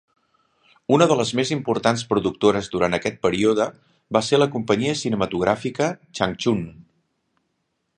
Una de les més importants productores durant aquest període va ser la companyia cinematogràfica Changchun.